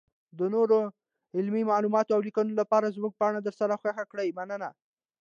-دنورو علمي معلوماتو اولیکنو لپاره زمونږ پاڼه درسره خوښه کړئ مننه.